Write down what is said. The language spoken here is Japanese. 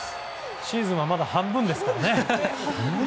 シーズンはまだ半分ですからね。